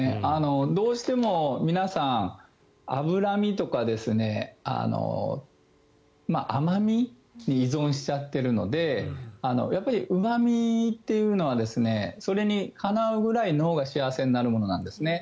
どうしても皆さん、脂身とか甘味に依存しちゃってるのでやっぱりうま味というのはそれにかなうぐらい脳が幸せになるものなんですね。